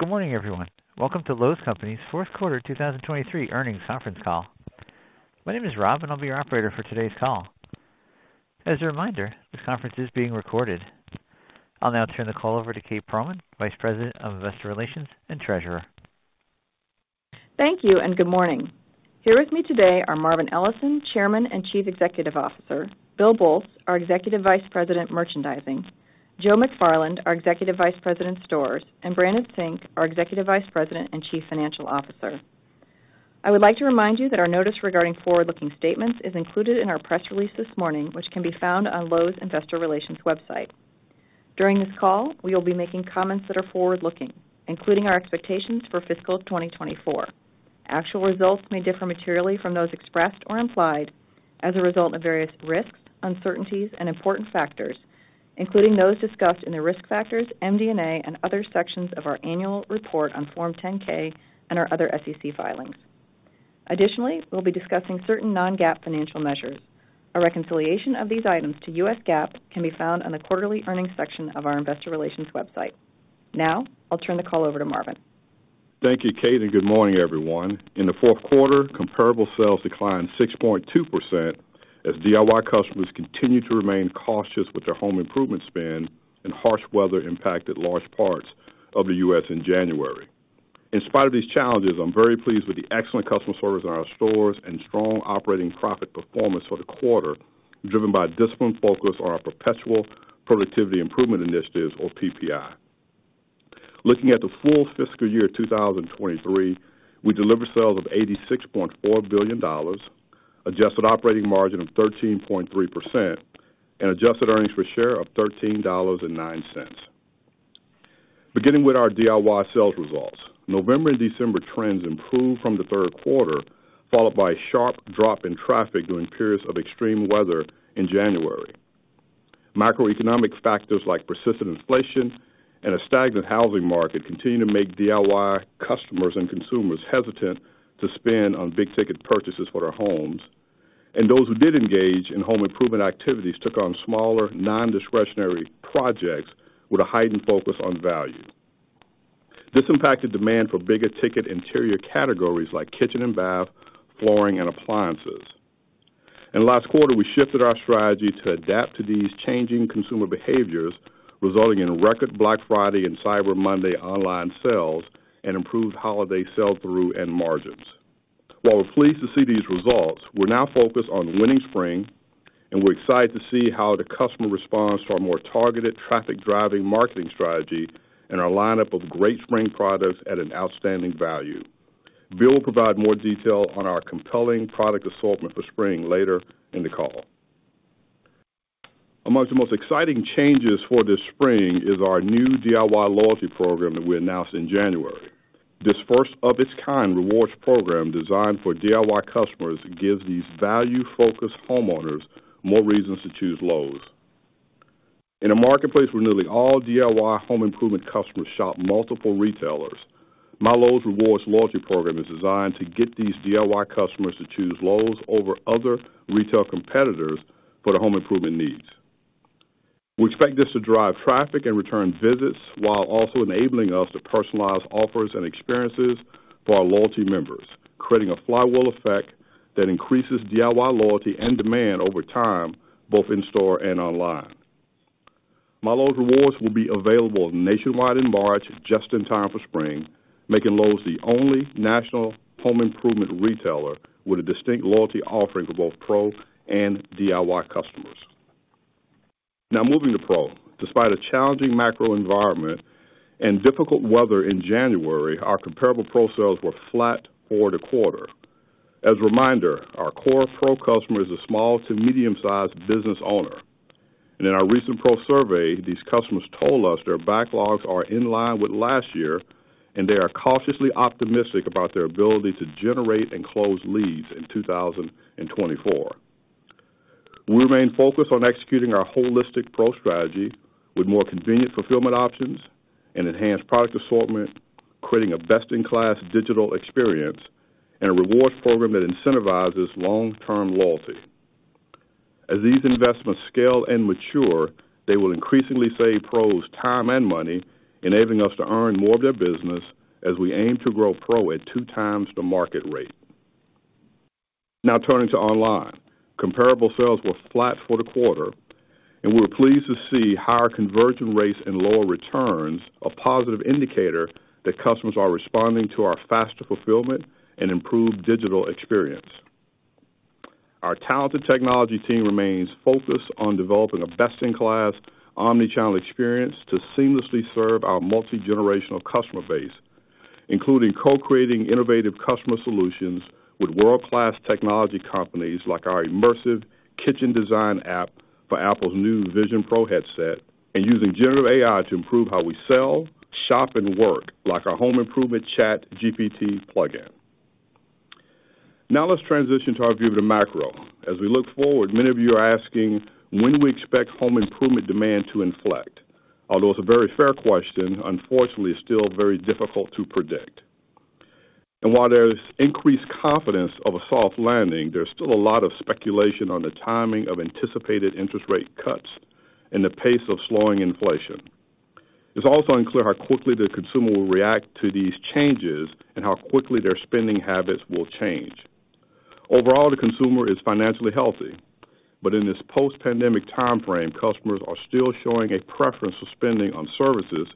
Good morning, everyone. Welcome to Lowe's Companies' fourth quarter 2023 earnings conference call. My name is Rob, and I'll be your operator for today's call. As a reminder, this conference is being recorded. I'll now turn the call over to Kate Pearlman, Vice President of Investor Relations and Treasurer. Thank you and good morning. Here with me today are Marvin Ellison, Chairman and Chief Executive Officer, Bill Boltz, our Executive Vice President, Merchandising, Joe McFarland, our Executive Vice President, Stores, and Brandon Sink, our Executive Vice President and Chief Financial Officer. I would like to remind you that our notice regarding forward-looking statements is in our press release this morning, which can be found on Lowe's Investor Relations website. During this call, we will be making comments that are forward-looking, including our expectations for fiscal 2024. Actual results may differ materially from those expressed or implied as a result of various risks, uncertainties, and important factors, including those discussed in the Risk Factors, MD&A, and other sections of our annual report on Form 10-K and our other SEC filings. Additionally, we'll be discussing certain non-GAAP financial measures. A reconciliation of these items to U.S. GAAP can be found on the quarterly earnings section of our Investor Relations website. Now, I'll turn the call over to Marvin. Thank you, Kate, and good morning, everyone. In the fourth quarter, comparable sales declined 6.2% as DIY customers continue to remain cautious with their home improvement spend and harsh weather impacted large parts of the U.S. in January. In spite of these challenges, I'm very pleased with the excellent customer service in our stores and strong operating profit performance for the quarter, driven by a disciplined focus on our Perpetual Productivity Improvement Initiatives, or PPI. Looking at the full fiscal year 2023, we delivered sales of $86.4 billion, adjusted operating margin of 13.3%, and adjusted earnings per share of $13.09. Beginning with our DIY sales results, November and December trends improved from the third quarter, followed by a sharp drop in traffic during periods of extreme weather in January. Macroeconomic factors like persistent inflation and a stagnant housing market continue to make DIY customers and consumers hesitant to spend on big-ticket purchases for their homes, and those who did engage in home improvement activities took on smaller, non-discretionary projects with a heightened focus on value. This impacted demand for bigger-ticket interior categories like kitchen and bath, flooring, and appliances. In the last quarter, we shifted our strategy to adapt to these changing consumer behaviors, resulting in record Black Friday and Cyber Monday online sales and improved holiday sell-through and margins. While we're pleased to see these results, we're now focused on winning spring, and we're excited to see how the customer responds to our more targeted, traffic-driving marketing strategy and our lineup of great spring products at an outstanding value. Bill will provide more detail on our compelling product assortment for spring later in the call. Among the most exciting changes for this spring is our new DIY loyalty program that we announced in January. This first-of-its-kind rewards program designed for DIY customers gives these value-focused homeowners more reasons to choose Lowe's. In a marketplace where nearly all DIY home improvement customers shop multiple retailers, MyLowe's Rewards loyalty program is designed to get these DIY customers to choose Lowe's over other retail competitors for their home improvement needs. We expect this to drive traffic and return visits while also enabling us to personalize offers and experiences for our loyalty members, creating a flywheel effect that increases DIY loyalty and demand over time, both in-store and online. MyLowe's Rewards will be available nationwide in March, just in time for spring, making Lowe's the only national home improvement retailer with a distinct loyalty offering for both Pro and DIY customers. Now, moving to Pro. Despite a challenging macro environment and difficult weather in January, our comparable pro sales were flat for the quarter. As a reminder, our core pro customer is a small to medium-sized business owner, and in our recent pro survey, these customers told us their backlogs are in line with last year, and they are cautiously optimistic about their ability to generate and close leads in 2024. We remain focused on executing our holistic pro strategy with more convenient fulfillment options and enhanced product assortment, creating a best-in-class digital experience, and a rewards program that incentivizes long-term loyalty. As these investments scale and mature, they will increasingly save pros time and money, enabling us to earn more of their business as we aim to grow pro at two times the market rate. Now, turning to online. Comparable sales were flat for the quarter, and we were pleased to see higher conversion rates and lower returns, a positive indicator that customers are responding to our faster fulfillment and improved digital experience. Our talented technology team remains focused on developing a best-in-class omnichannel experience to seamlessly serve our multi-generational customer base, including co-creating innovative customer solutions with world-class technology companies like our immersive kitchen design app for Apple's new Vision Pro headset and using generative AI to improve how we sell, shop, and work like our home improvement ChatGPT plugin. Now, let's transition to our view of the macro. As we look forward, many of you are asking when we expect home improvement demand to inflect. Although it's a very fair question, unfortunately, it's still very difficult to predict. While there's increased confidence of a soft landing, there's still a lot of speculation on the timing of anticipated interest rate cuts and the pace of slowing inflation. It's also unclear how quickly the consumer will react to these changes and how quickly their spending habits will change. Overall, the consumer is financially healthy, but in this post-pandemic time frame, customers are still showing a preference for spending on services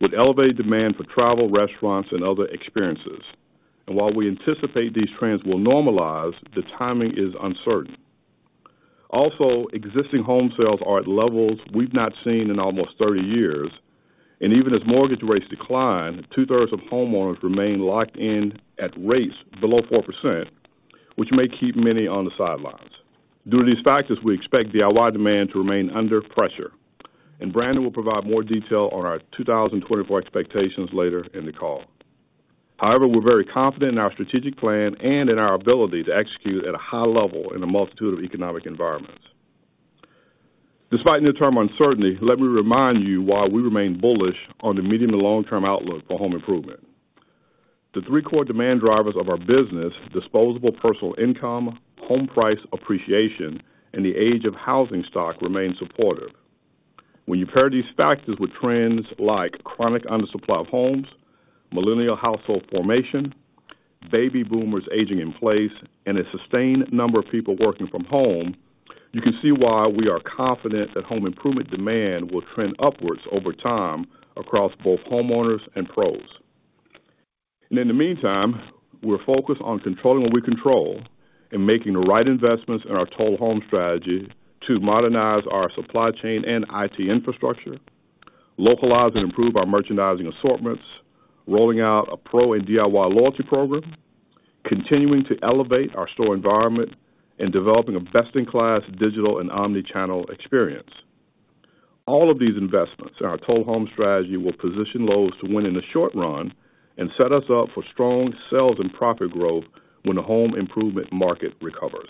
with elevated demand for travel, restaurants, and other experiences. While we anticipate these trends will normalize, the timing is uncertain. Also, existing home sales are at levels we've not seen in almost 30 years, and even as mortgage rates decline, two-thirds of homeowners remain locked in at rates below 4%, which may keep many on the sidelines. Due to these factors, we expect DIY demand to remain under pressure, and Brandon will provide more detail on our 2024 expectations later in the call. However, we're very confident in our strategic plan and in our ability to execute at a high level in a multitude of economic environments. Despite near-term uncertainty, let me remind you why we remain bullish on the medium to long-term outlook for home improvement. The three core demand drivers of our business, disposable personal income, home price appreciation, and the age of housing stock, remain supportive. When you pair these factors with trends like chronic undersupply of homes, millennial household formation, baby boomers aging in place, and a sustained number of people working from home, you can see why we are confident that home improvement demand will trend upwards over time across both homeowners and pros. In the meantime, we're focused on controlling what we control and making the right investments in our total home strategy to modernize our supply chain and IT infrastructure, localize and improve our merchandising assortments, rolling out a pro and DIY loyalty program, continuing to elevate our store environment, and developing a best-in-class digital and omnichannel experience. All of these investments in our total home strategy will position Lowe's to win in the short run and set us up for strong sales and profit growth when the home improvement market recovers.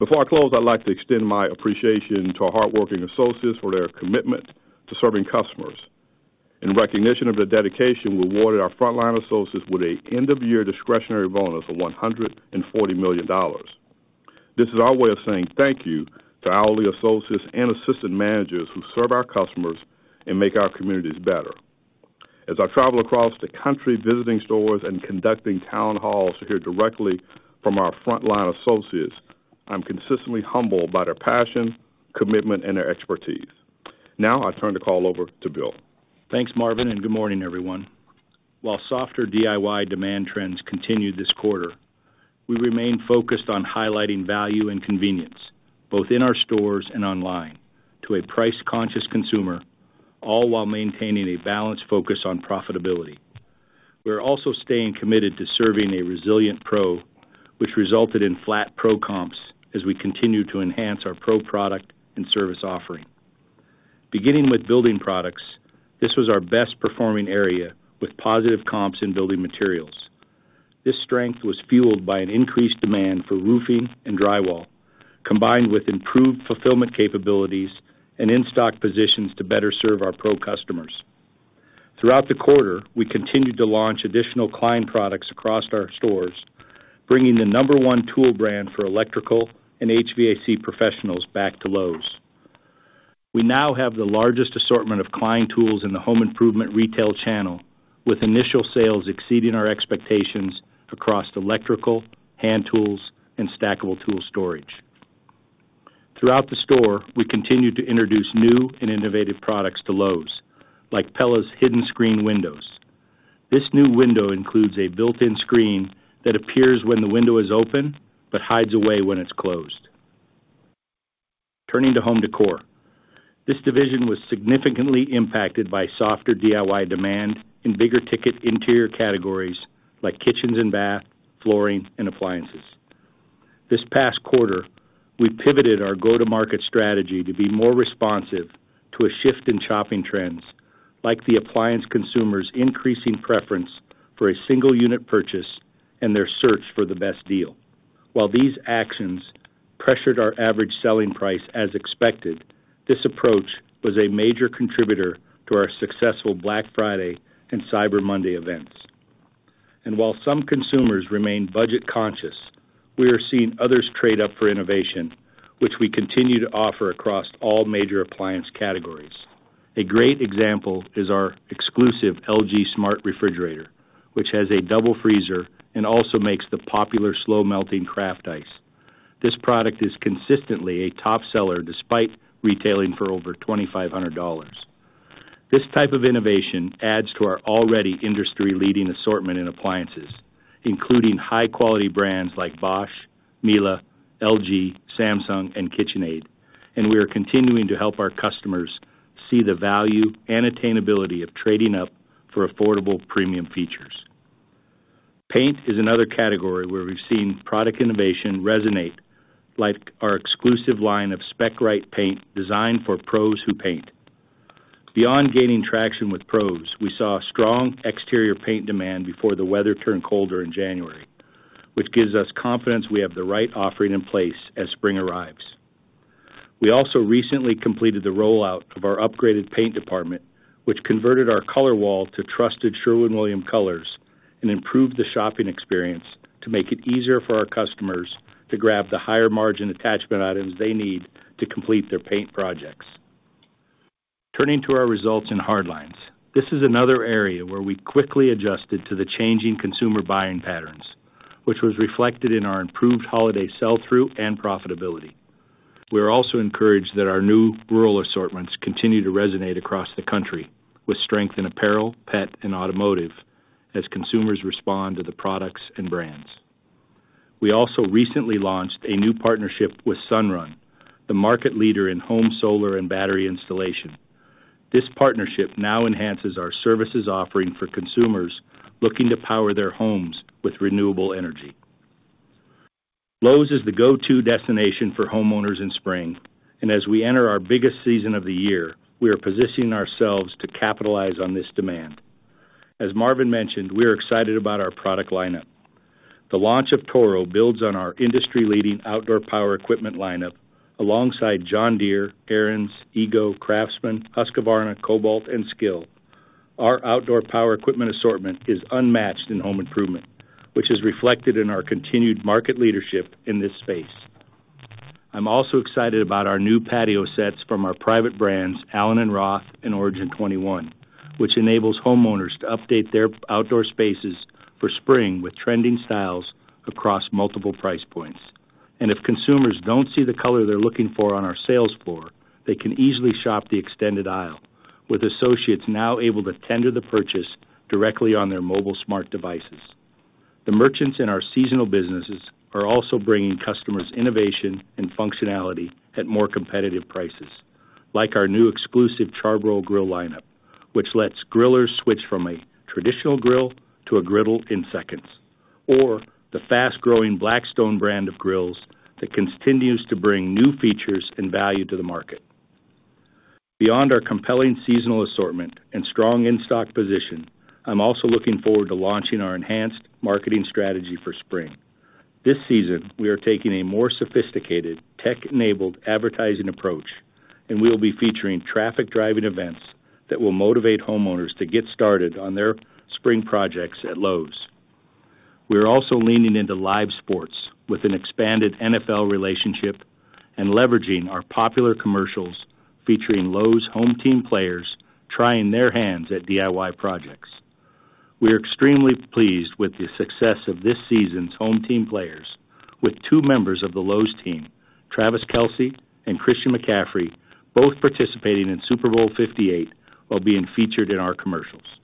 Before I close, I'd like to extend my appreciation to our hardworking associates for their commitment to serving customers. In recognition of their dedication, we awarded our frontline associates with an end-of-year discretionary bonus of $140 million. This is our way of saying thank you to hourly associates and assistant managers who serve our customers and make our communities better. As I travel across the country visiting stores and conducting town halls to hear directly from our frontline associates, I'm consistently humbled by their passion, commitment, and their expertise. Now, I turn the call over to Bill. Thanks, Marvin, and good morning, everyone. While softer DIY demand trends continue this quarter, we remain focused on highlighting value and convenience, both in our stores and online, to a price-conscious consumer, all while maintaining a balanced focus on profitability. We are also staying committed to serving a resilient pro, which resulted in flat pro comps as we continue to enhance our pro product and service offering. Beginning with building products, this was our best-performing area with positive comps in building materials. This strength was fueled by an increased demand for roofing and drywall, combined with improved fulfillment capabilities and in-stock positions to better serve our pro customers. Throughout the quarter, we continued to launch additional Klein products across our stores, bringing the number one tool brand for electrical and HVAC professionals back to Lowe's. We now have the largest assortment of Klein Tools in the home improvement retail channel, with initial sales exceeding our expectations across electrical, hand tools, and stackable tool storage. Throughout the store, we continue to introduce new and innovative products to Lowe's, like Pella's Hidden Screen Windows. This new window includes a built-in screen that appears when the window is open but hides away when it's closed. Turning to home decor. This division was significantly impacted by softer DIY demand in bigger-ticket interior categories like kitchens and bath, flooring, and appliances. This past quarter, we pivoted our go-to-market strategy to be more responsive to a shift in shopping trends like the appliance consumers' increasing preference for a single-unit purchase and their search for the best deal. While these actions pressured our average selling price as expected, this approach was a major contributor to our successful Black Friday and Cyber Monday events. While some consumers remain budget-conscious, we are seeing others trade up for innovation, which we continue to offer across all major appliance categories. A great example is our exclusive LG Smart Refrigerator, which has a double freezer and also makes the popular slow-melting craft ice. This product is consistently a top seller despite retailing for over $2,500. This type of innovation adds to our already industry-leading assortment in appliances, including high-quality brands like Bosch, Miele, LG, Samsung, and KitchenAid, and we are continuing to help our customers see the value and attainability of trading up for affordable premium features. Paint is another category where we've seen product innovation resonate, like our exclusive line of Spec Right paint designed for pros who paint. Beyond gaining traction with pros, we saw strong exterior paint demand before the weather turned colder in January, which gives us confidence we have the right offering in place as spring arrives. We also recently completed the rollout of our upgraded paint department, which converted our color wall to trusted Sherwin-Williams Colors and improved the shopping experience to make it easier for our customers to grab the higher-margin attachment items they need to complete their paint projects. Turning to our results in hard lines. This is another area where we quickly adjusted to the changing consumer buying patterns, which was reflected in our improved holiday sell-through and profitability. We are also encouraged that our new rural assortments continue to resonate across the country with strength in apparel, pet, and automotive as consumers respond to the products and brands. We also recently launched a new partnership with Sunrun, the market leader in home solar and battery installation. This partnership now enhances our services offering for consumers looking to power their homes with renewable energy. Lowe's is the go-to destination for homeowners in spring, and as we enter our biggest season of the year, we are positioning ourselves to capitalize on this demand. As Marvin mentioned, we are excited about our product lineup. The launch of Toro builds on our industry-leading outdoor power equipment lineup alongside John Deere, Ariens, EGO, Craftsman, Husqvarna, Kobalt, and SKIL. Our outdoor power equipment assortment is unmatched in home improvement, which is reflected in our continued market leadership in this space. I'm also excited about our new patio sets from our private brands Allen + Roth and Origin 21, which enables homeowners to update their outdoor spaces for spring with trending styles across multiple price points. If consumers don't see the color they're looking for on our sales floor, they can easily shop the extended aisle, with associates now able to tender the purchase directly on their mobile smart devices. The merchants in our seasonal businesses are also bringing customers innovation and functionality at more competitive prices, like our new exclusive Char-Broil grill lineup, which lets grillers switch from a traditional grill to a griddle in seconds, or the fast-growing Blackstone brand of grills that continues to bring new features and value to the market. Beyond our compelling seasonal assortment and strong in-stock position, I'm also looking forward to launching our enhanced marketing strategy for spring. This season, we are taking a more sophisticated, tech-enabled advertising approach, and we will be featuring traffic-driving events that will motivate homeowners to get started on their spring projects at Lowe's. We are also leaning into live sports with an expanded NFL relationship and leveraging our popular commercials featuring Lowe's Home Team players trying their hands at DIY projects. We are extremely pleased with the success of this season's home team players, with two members of the Lowe's team, Travis Kelce and Christian McCaffrey, both participating in Super Bowl LVIII while being featured in our commercials.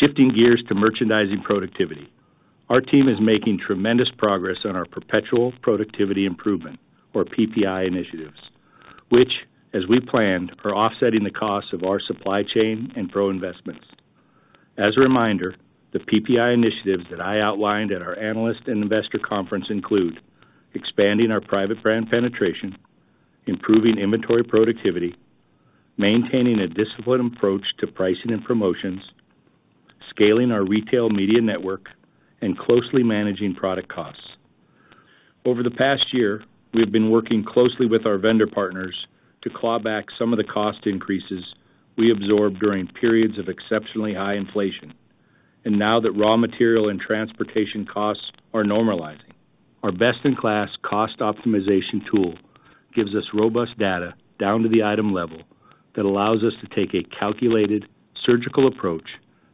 Shifting gears to merchandising productivity. Our team is making tremendous progress on our Perpetual Productivity Improvement, or PPI, initiatives, which, as we planned, are offsetting the costs of our supply chain and pro investments. As a reminder, the PPI initiatives that I outlined at our analyst and investor conference include expanding our private brand penetration, improving inventory productivity, maintaining a disciplined approach to pricing and promotions, scaling our retail media network, and closely managing product costs. Over the past year, we have been working closely with our vendor partners to claw back some of the cost increases we absorbed during periods of exceptionally high inflation, and now that raw material and transportation costs are normalizing, our best-in-class cost optimization tool gives us robust data down to the item level that allows us to take a calculated, surgical approach,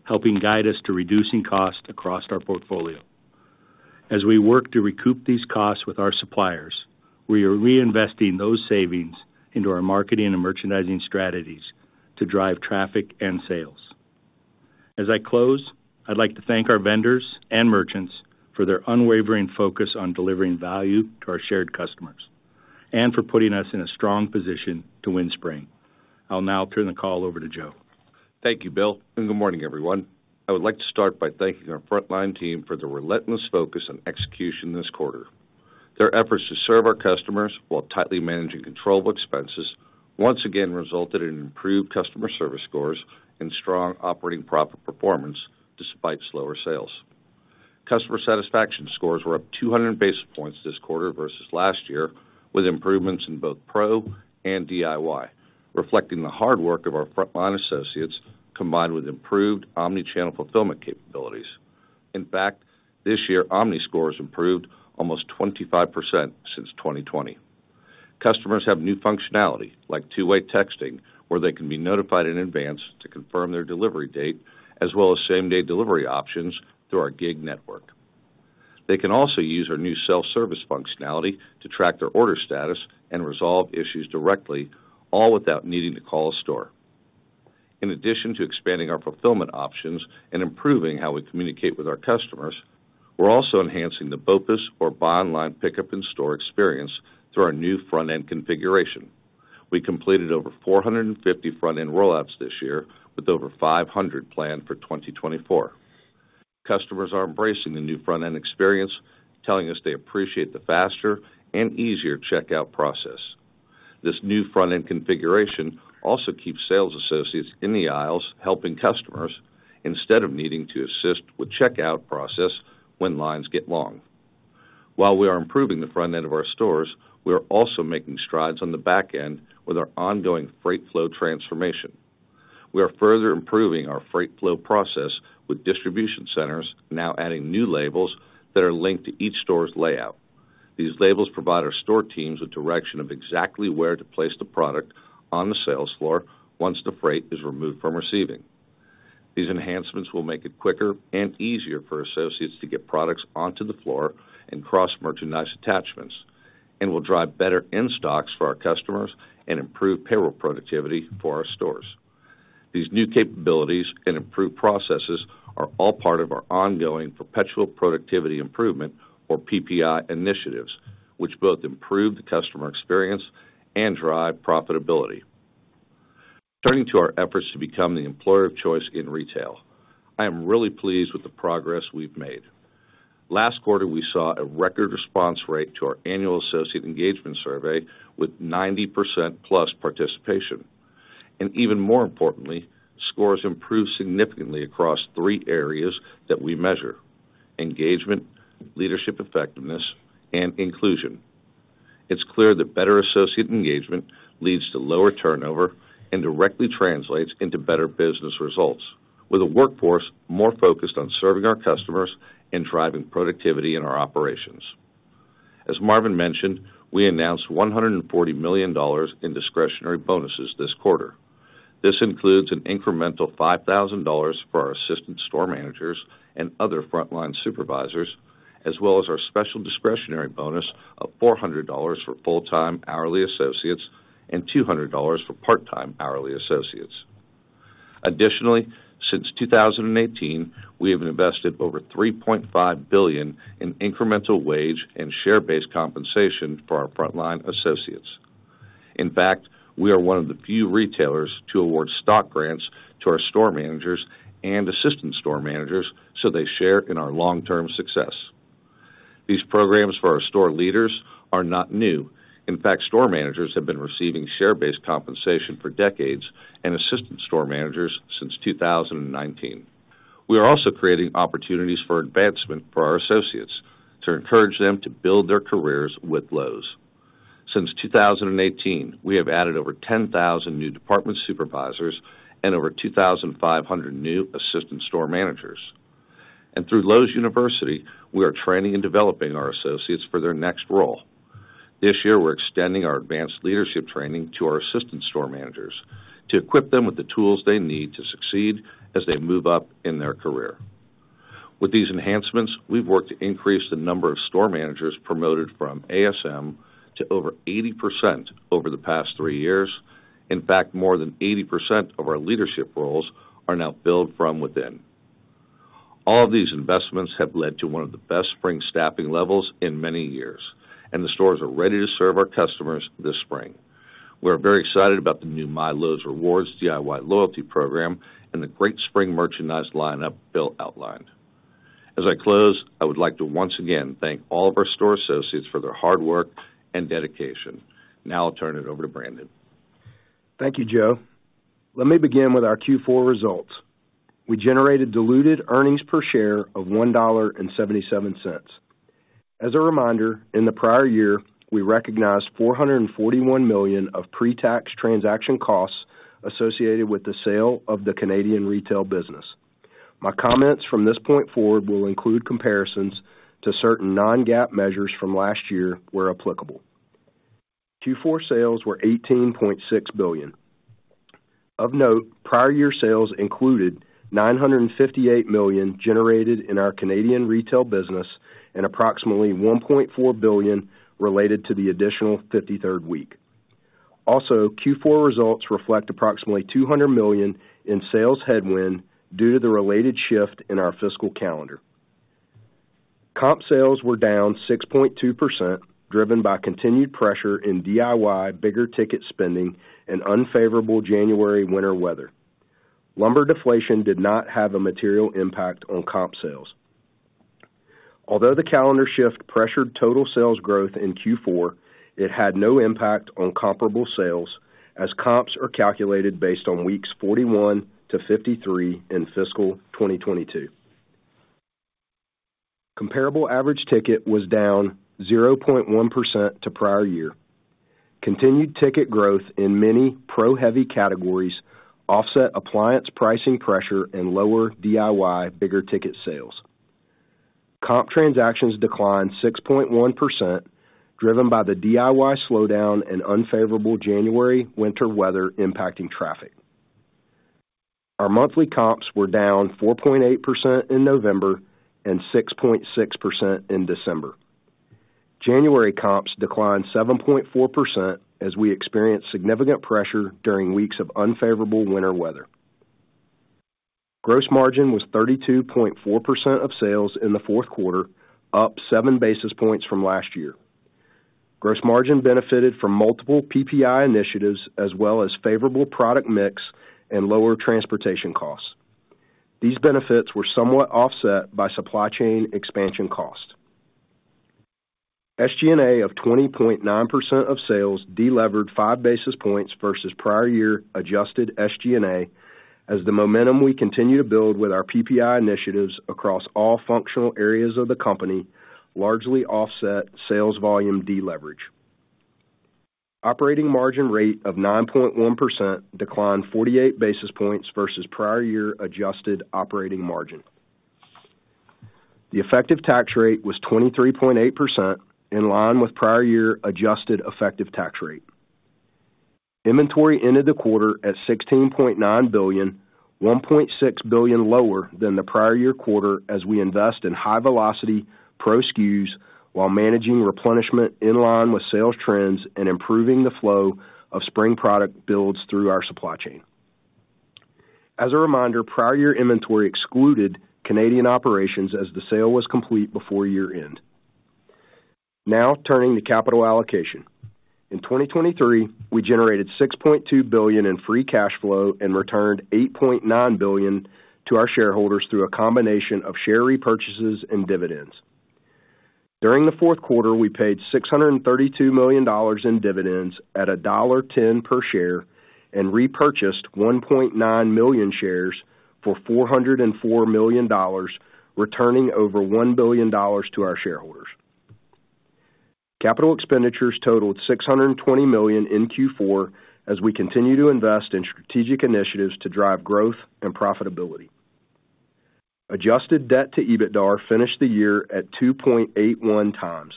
helping guide us to reducing costs across our portfolio. As we work to recoup these costs with our suppliers, we are reinvesting those savings into our marketing and merchandising strategies to drive traffic and sales. As I close, I'd like to thank our vendors and merchants for their unwavering focus on delivering value to our shared customers and for putting us in a strong position to win spring. I'll now turn the call over to Joe. Thank you, Bill, and good morning, everyone. I would like to start by thanking our frontline team for their relentless focus on execution this quarter. Their efforts to serve our customers while tightly managing controllable expenses once again resulted in improved customer service scores and strong operating profit performance despite slower sales. Customer satisfaction scores were up 200 basis points this quarter versus last year with improvements in both pro and DIY, reflecting the hard work of our frontline associates combined with improved omnichannel fulfillment capabilities. In fact, this year, omni scores improved almost 25% since 2020. Customers have new functionality like two-way texting, where they can be notified in advance to confirm their delivery date, as well as same-day delivery options through our gig network. They can also use our new self-service functionality to track their order status and resolve issues directly, all without needing to call a store. In addition to expanding our fulfillment options and improving how we communicate with our customers, we're also enhancing the BOPIS, or Buy Online, Pick Up In Store, experience through our new front-end configuration. We completed over 450 front-end rollouts this year, with over 500 planned for 2024. Customers are embracing the new front-end experience, telling us they appreciate the faster and easier checkout process. This new front-end configuration also keeps sales associates in the aisles helping customers instead of needing to assist with checkout process when lines get long. While we are improving the front end of our stores, we are also making strides on the back end with our ongoing freight flow transformation. We are further improving our freight flow process with distribution centers now adding new labels that are linked to each store's layout. These labels provide our store teams with direction of exactly where to place the product on the sales floor once the freight is removed from receiving. These enhancements will make it quicker and easier for associates to get products onto the floor and cross-merchandise attachments, and will drive better in-stocks for our customers and improve payroll productivity for our stores. These new capabilities and improved processes are all part of our ongoing Perpetual Productivity Improvement, or PPI, initiatives, which both improve the customer experience and drive profitability. Turning to our efforts to become the employer of choice in retail. I am really pleased with the progress we've made. Last quarter, we saw a record response rate to our annual associate engagement survey with 90%-plus participation. And even more importantly, scores improved significantly across three areas that we measure: engagement, leadership effectiveness, and inclusion. It's clear that better associate engagement leads to lower turnover and directly translates into better business results, with a workforce more focused on serving our customers and driving productivity in our operations. As Marvin mentioned, we announced $140 million in discretionary bonuses this quarter. This includes an incremental $5,000 for our assistant store managers and other frontline supervisors, as well as our special discretionary bonus of $400 for full-time hourly associates and $200 for part-time hourly associates. Additionally, since 2018, we have invested over $3.5 billion in incremental wage and share-based compensation for our frontline associates. In fact, we are one of the few retailers to award stock grants to our store managers and assistant store managers so they share in our long-term success. These programs for our store leaders are not new. In fact, store managers have been receiving share-based compensation for decades and assistant store managers since 2019. We are also creating opportunities for advancement for our associates to encourage them to build their careers with Lowe's. Since 2018, we have added over 10,000 new department supervisors and over 2,500 new assistant store managers. Through Lowe's University, we are training and developing our associates for their next role. This year, we're extending our advanced leadership training to our assistant store managers to equip them with the tools they need to succeed as they move up in their career. With these enhancements, we've worked to increase the number of store managers promoted from ASM to over 80% over the past three years. In fact, more than 80% of our leadership roles are now filled from within. All of these investments have led to one of the best spring staffing levels in many years, and the stores are ready to serve our customers this spring. We are very excited about the new MyLowe's Rewards DIY loyalty program and the great spring merchandise lineup Bill outlined. As I close, I would like to once again thank all of our store associates for their hard work and dedication. Now I'll turn it over to Brandon. Thank you, Joe. Let me begin with our Q4 results. We generated diluted earnings per share of $1.77. As a reminder, in the prior year, we recognized $441 million of pre-tax transaction costs associated with the sale of the Canadian retail business. My comments from this point forward will include comparisons to certain non-GAAP measures from last year where applicable. Q4 sales were $18.6 billion. Of note, prior year sales included $958 million generated in our Canadian retail business and approximately $1.4 billion related to the additional 53rd week. Also, Q4 results reflect approximately $200 million in sales headwind due to the related shift in our fiscal calendar. Comp sales were down 6.2%, driven by continued pressure in DIY bigger ticket spending and unfavorable January winter weather. Lumber deflation did not have a material impact on comp sales. Although the calendar shift pressured total sales growth in Q4, it had no impact on comparable sales as comps are calculated based on weeks 41 to 53 in fiscal 2022. Comparable average ticket was down 0.1% to prior year. Continued ticket growth in many pro-heavy categories offset appliance pricing pressure and lower DIY bigger ticket sales. Comp transactions declined 6.1%, driven by the DIY slowdown and unfavorable January winter weather impacting traffic. Our monthly comps were down 4.8% in November and 6.6% in December. January comps declined 7.4% as we experienced significant pressure during weeks of unfavorable winter weather. Gross margin was 32.4% of sales in the fourth quarter, up 7 basis points from last year. Gross margin benefited from multiple PPI initiatives as well as favorable product mix and lower transportation costs. These benefits were somewhat offset by supply chain expansion cost. SG&A of 20.9% of sales deleveraged 5 basis points versus prior year adjusted SG&A, as the momentum we continue to build with our PPI initiatives across all functional areas of the company largely offset sales volume deleverage. Operating margin rate of 9.1% declined 48 basis points versus prior year adjusted operating margin. The effective tax rate was 23.8%, in line with prior year adjusted effective tax rate. Inventory ended the quarter at $16.9 billion, $1.6 billion lower than the prior year quarter as we invest in high-velocity pro SKUs while managing replenishment in line with sales trends and improving the flow of spring product builds through our supply chain. As a reminder, prior year inventory excluded Canadian operations as the sale was complete before year-end. Now turning to capital allocation. In 2023, we generated $6.2 billion in free cash flow and returned $8.9 billion to our shareholders through a combination of share repurchases and dividends. During the fourth quarter, we paid $632 million in dividends at $1.10 per share and repurchased 1.9 million shares for $404 million, returning over $1 billion to our shareholders. Capital expenditures totaled $620 million in Q4 as we continue to invest in strategic initiatives to drive growth and profitability. Adjusted debt to EBITDA finished the year at 2.81 times.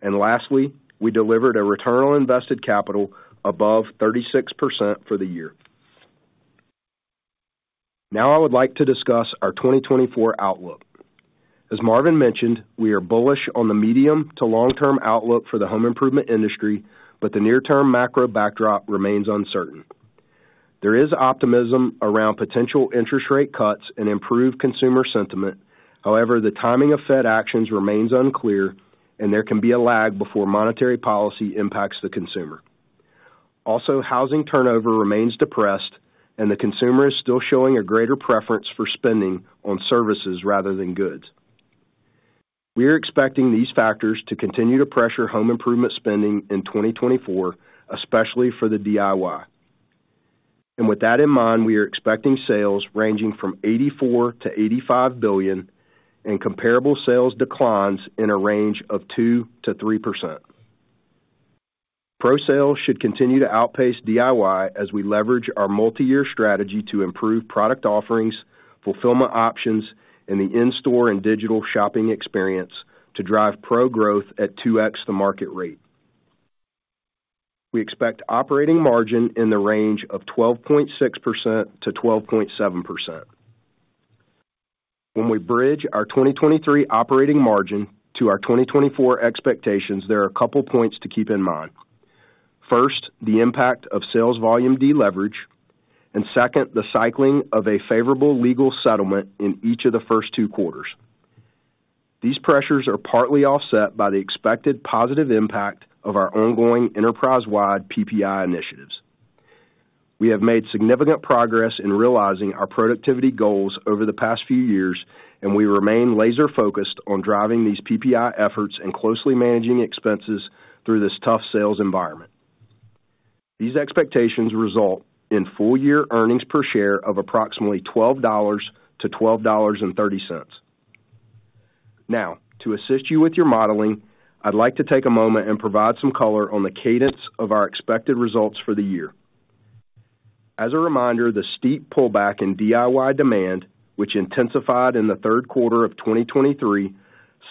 And lastly, we delivered a return on invested capital above 36% for the year. Now I would like to discuss our 2024 outlook. As Marvin mentioned, we are bullish on the medium to long-term outlook for the home improvement industry, but the near-term macro backdrop remains uncertain. There is optimism around potential interest rate cuts and improved consumer sentiment. However, the timing of Fed actions remains unclear, and there can be a lag before monetary policy impacts the consumer. Also, housing turnover remains depressed, and the consumer is still showing a greater preference for spending on services rather than goods. We are expecting these factors to continue to pressure home improvement spending in 2024, especially for the DIY. With that in mind, we are expecting sales ranging from $84 billion-$85 billion and comparable sales declines in a range of 2%-3%. Pro-sales should continue to outpace DIY as we leverage our multi-year strategy to improve product offerings, fulfillment options, and the in-store and digital shopping experience to drive pro-growth at 2X the market rate. We expect operating margin in the range of 12.6%-12.7%. When we bridge our 2023 operating margin to our 2024 expectations, there are a couple of points to keep in mind. First, the impact of sales volume deleverage, and second, the cycling of a favorable legal settlement in each of the first two quarters. These pressures are partly offset by the expected positive impact of our ongoing enterprise-wide PPI initiatives. We have made significant progress in realizing our productivity goals over the past few years, and we remain laser-focused on driving these PPI efforts and closely managing expenses through this tough sales environment. These expectations result in full-year earnings per share of approximately $12-$12.30. Now, to assist you with your modeling, I'd like to take a moment and provide some color on the cadence of our expected results for the year. As a reminder, the steep pullback in DIY demand, which intensified in the third quarter of 2023,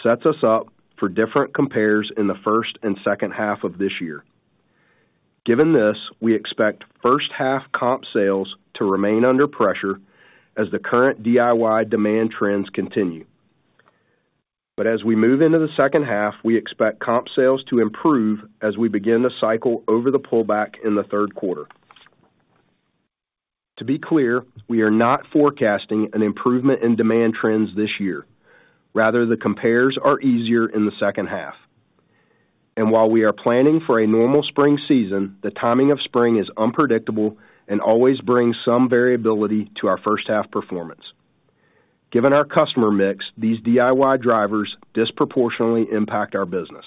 sets us up for different compares in the first and second half of this year. Given this, we expect first-half comp sales to remain under pressure as the current DIY demand trends continue. But as we move into the second half, we expect comp sales to improve as we begin to cycle over the pullback in the third quarter. To be clear, we are not forecasting an improvement in demand trends this year. Rather, the compares are easier in the second half. And while we are planning for a normal spring season, the timing of spring is unpredictable and always brings some variability to our first-half performance. Given our customer mix, these DIY drivers disproportionately impact our business.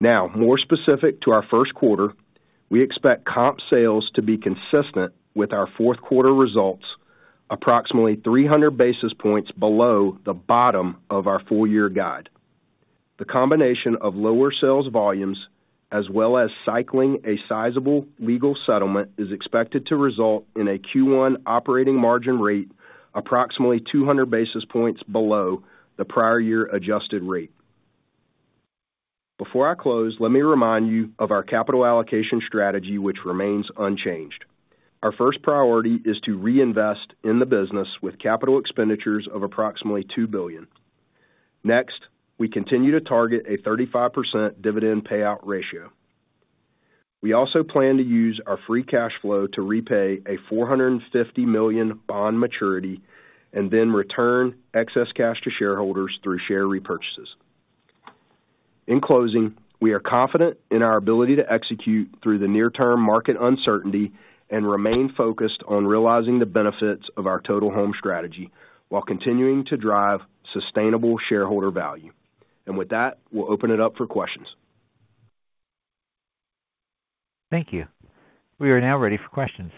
Now, more specific to our first quarter, we expect comp sales to be consistent with our fourth quarter results, approximately 300 basis points below the bottom of our full-year guide. The combination of lower sales volumes as well as cycling a sizable legal settlement is expected to result in a Q1 operating margin rate approximately 200 basis points below the prior year adjusted rate. Before I close, let me remind you of our capital allocation strategy, which remains unchanged. Our first priority is to reinvest in the business with capital expenditures of approximately $2 billion. Next, we continue to target a 35% dividend payout ratio. We also plan to use our free cash flow to repay a $450 million bond maturity and then return excess cash to shareholders through share repurchases. In closing, we are confident in our ability to execute through the near-term market uncertainty and remain focused on realizing the benefits of our total home strategy while continuing to drive sustainable shareholder value. And with that, we'll open it up for questions. Thank you. We are now ready for questions.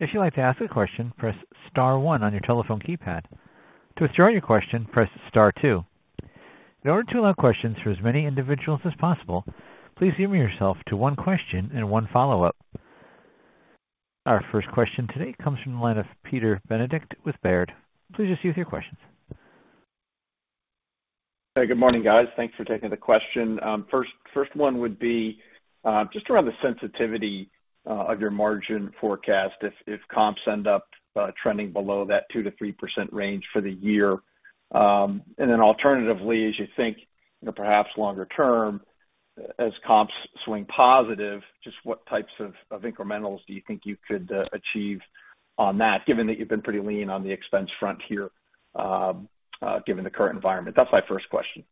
If you'd like to ask a question, press star one on your telephone keypad. To throw your question, press star two. In order to allow questions for as many individuals as possible, please limit yourself to one question and one follow-up. Our first question today comes from the line of Peter Benedict with Baird. Please just use your questions. Hey, good morning, guys. Thanks for taking the question. First one would be just around the sensitivity of your margin forecast if comps end up trending below that 2%-3% range for the year. And then alternatively, as you think perhaps longer term, as comps swing positive, just what types of incrementals do you think you could achieve on that, given that you've been pretty lean on the expense front here given the current environment? That's my first question.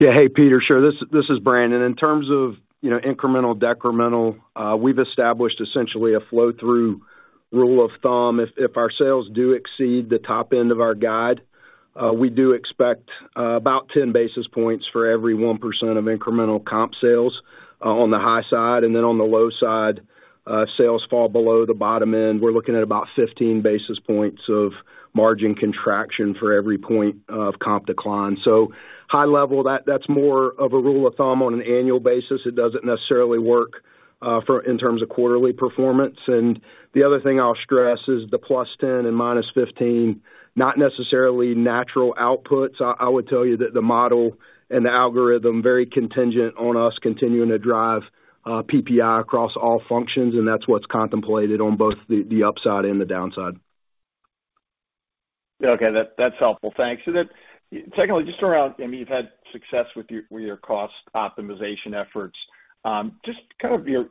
Yeah. Hey, Peter. Sure. This is Brandon. In terms of incremental, decremental, we've established essentially a flow-through rule of thumb. If our sales do exceed the top end of our guide, we do expect about 10 basis points for every 1% of incremental comp sales on the high side. And then on the low side, if sales fall below the bottom end, we're looking at about 15 basis points of margin contraction for every point of comp decline. So high level, that's more of a rule of thumb on an annual basis. It doesn't necessarily work in terms of quarterly performance. And the other thing I'll stress is the plus 10 and minus 15, not necessarily natural outputs. I would tell you that the model and the algorithm are very contingent on us continuing to drive PPI across all functions, and that's what's contemplated on both the upside and the downside. Okay. That's helpful. Thanks. And then secondly, just around—I mean, you've had success with your cost optimization efforts. Just kind of your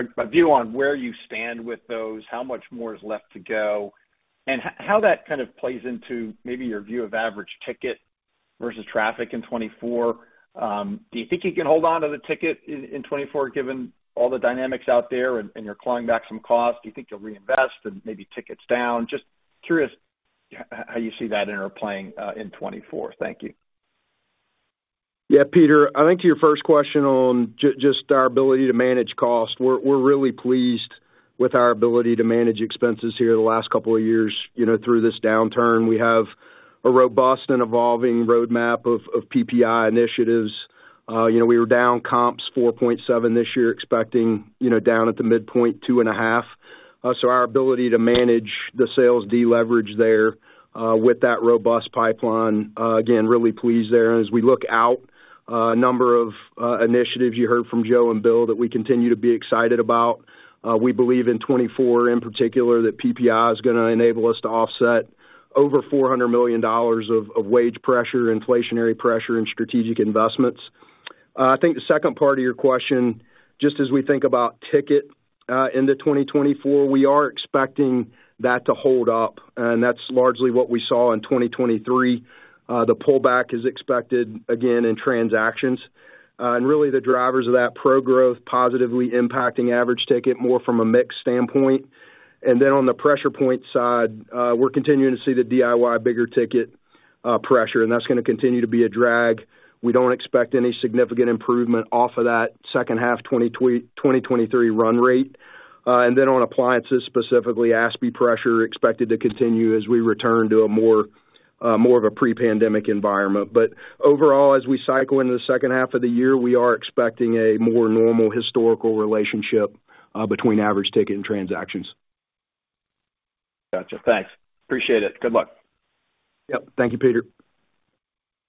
view on where you stand with those, how much more is left to go, and how that kind of plays into maybe your view of average ticket versus traffic in 2024. Do you think you can hold onto the ticket in 2024 given all the dynamics out there and you're clawing back some cost? Do you think you'll reinvest and maybe tickets down? Just curious how you see that interplaying in 2024. Thank you. Yeah, Peter. I think to your first question on just our ability to manage cost, we're really pleased with our ability to manage expenses here the last couple of years through this downturn. We have a robust and evolving roadmap of PPI initiatives. We were down comps 4.7% this year, expecting down at the midpoint 2.5%. So our ability to manage the sales deleverage there with that robust pipeline, again, really pleased there. And as we look out, a number of initiatives you heard from Joe and Bill that we continue to be excited about. We believe in 2024 in particular that PPI is going to enable us to offset over $400 million of wage pressure, inflationary pressure, and strategic investments. I think the second part of your question, just as we think about ticket into 2024, we are expecting that to hold up. That's largely what we saw in 2023. The pullback is expected, again, in transactions. Really, the drivers of that pro-growth are positively impacting average ticket more from a mixed standpoint. Then on the pressure point side, we're continuing to see the DIY bigger ticket pressure, and that's going to continue to be a drag. We don't expect any significant improvement off of that second-half 2023 run rate. Then on appliances, specifically, ASP pressure is expected to continue as we return to more of a pre-pandemic environment. Overall, as we cycle into the second half of the year, we are expecting a more normal historical relationship between average ticket and transactions. Gotcha. Thanks. Appreciate it. Good luck. Yep. Thank you, Peter.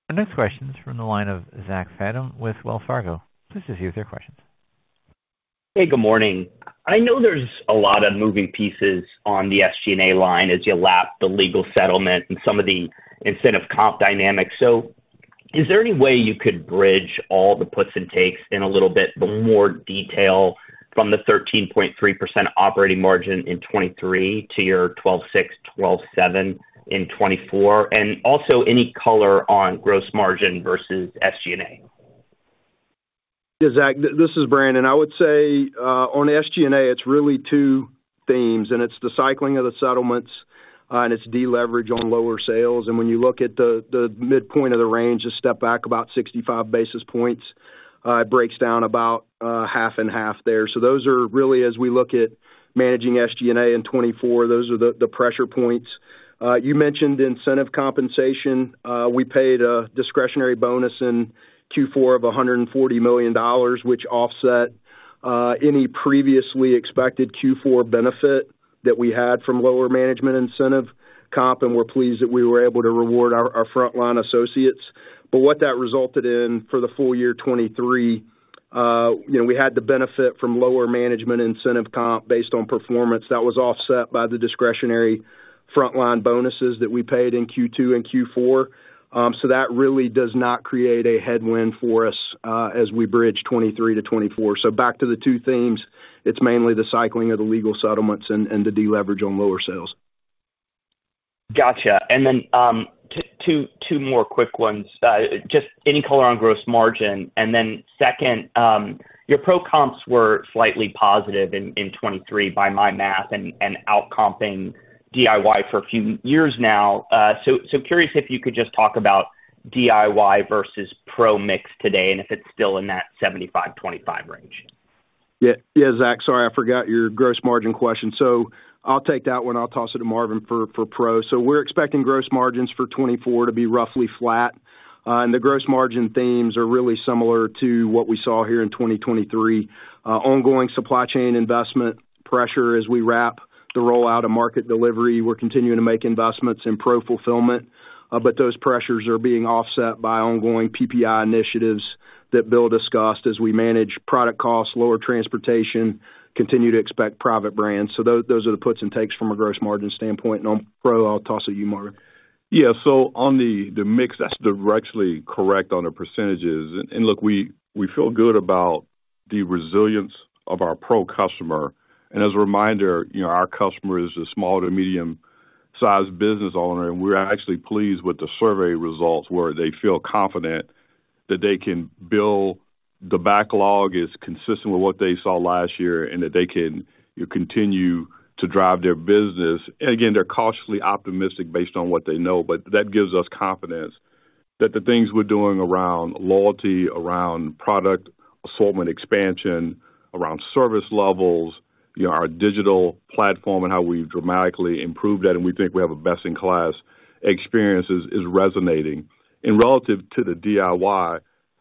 Our next question is from the line of Zach Fadem with Wells Fargo. Please just use your questions. Hey, good morning. I know there's a lot of moving pieces on the SG&A line as you lap the legal settlement and some of the incentive comp dynamics. So is there any way you could bridge all the puts and takes in a little bit, the more detail from the 13.3% operating margin in 2023 to your 12.6%-12.7% in 2024, and also any color on gross margin versus SG&A? Yeah, Zach. This is Brandon. I would say on SG&A, it's really two themes, and it's the cycling of the settlements and it's deleverage on lower sales. And when you look at the midpoint of the range, just step back about 65 basis points, it breaks down about half and half there. So those are really, as we look at managing SG&A in 2024, those are the pressure points. You mentioned incentive compensation. We paid a discretionary bonus in Q4 of $140 million, which offset any previously expected Q4 benefit that we had from lower management incentive comp, and we're pleased that we were able to reward our frontline associates. But what that resulted in for the full year 2023, we had the benefit from lower management incentive comp based on performance. That was offset by the discretionary frontline bonuses that we paid in Q2 and Q4. That really does not create a headwind for us as we bridge 2023 to 2024. Back to the two themes, it's mainly the cycling of the legal settlements and the deleverage on lower sales. Gotcha. And then two more quick ones. Just any color on gross margin. And then second, your pro comps were slightly positive in 2023 by my math and outcomping DIY for a few years now. So curious if you could just talk about DIY versus pro mix today and if it's still in that 75-25 range. Yeah, Zach. Sorry, I forgot your gross margin question. So I'll take that one. I'll toss it to Marvin for pro. So we're expecting gross margins for 2024 to be roughly flat. And the gross margin themes are really similar to what we saw here in 2023. Ongoing supply chain investment pressure as we wrap the rollout of market delivery. We're continuing to make investments in pro fulfillment, but those pressures are being offset by ongoing PPI initiatives that Bill discussed as we manage product costs, lower transportation, continue to expect private brands. So those are the puts and takes from a gross margin standpoint. And on pro, I'll toss it to you, Marvin. Yeah. So on the mix, that's directly correct on the percentages. And look, we feel good about the resilience of our Pro customer. And as a reminder, our customer is a small to medium-sized business owner, and we're actually pleased with the survey results where they feel confident that they can bill, the backlog is consistent with what they saw last year, and that they can continue to drive their business. And again, they're cautiously optimistic based on what they know, but that gives us confidence that the things we're doing around loyalty, around product assortment expansion, around service levels, our digital platform and how we've dramatically improved that, and we think we have a best-in-class experience, is resonating. And relative to the DIY,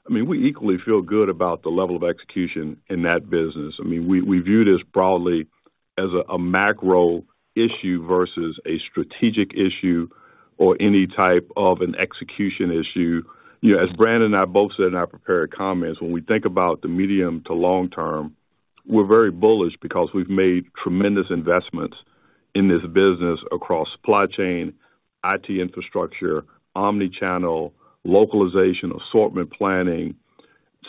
I mean, we equally feel good about the level of execution in that business. I mean, we view this broadly as a macro issue versus a strategic issue or any type of an execution issue. As Brandon and I both said in our prepared comments, when we think about the medium to long term, we're very bullish because we've made tremendous investments in this business across supply chain, IT infrastructure, omnichannel, localization, assortment planning,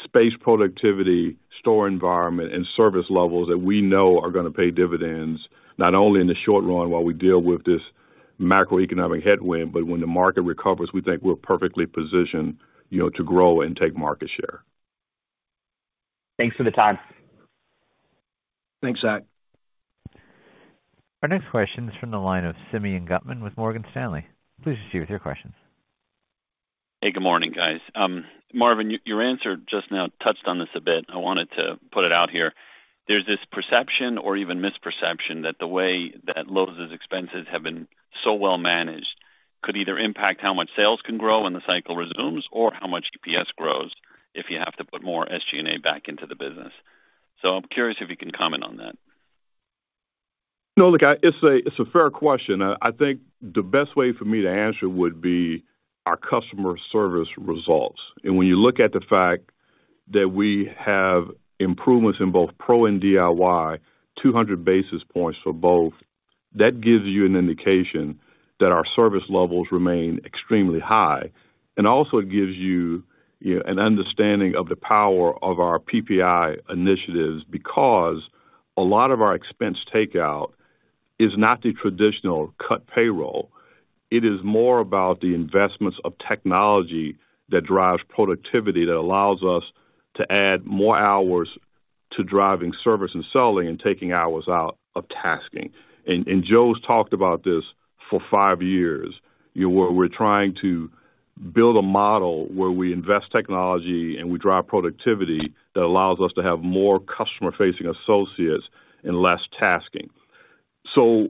space productivity, store environment, and service levels that we know are going to pay dividends not only in the short run while we deal with this macroeconomic headwind, but when the market recovers, we think we're perfectly positioned to grow and take market share. Thanks for the time. Thanks, Zach. Our next question is from the line of Simeon Gutman with Morgan Stanley. Please just use your questions. Hey, good morning, guys. Marvin, your answer just now touched on this a bit. I wanted to put it out here. There's this perception or even misperception that the way that Lowe's' expenses have been so well managed could either impact how much sales can grow when the cycle resumes or how much EPS grows if you have to put more SG&A back into the business. So I'm curious if you can comment on that? No, look, it's a fair question. I think the best way for me to answer would be our customer service results. And when you look at the fact that we have improvements in both Pro and DIY, 200 basis points for both, that gives you an indication that our service levels remain extremely high. And also, it gives you an understanding of the power of our PPI initiatives because a lot of our expense takeout is not the traditional cut payroll. It is more about the investments of technology that drives productivity, that allows us to add more hours to driving service and selling and taking hours out of tasking. And Joe's talked about this for five years, where we're trying to build a model where we invest technology and we drive productivity that allows us to have more customer-facing associates and less tasking. So